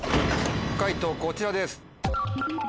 解答こちらです。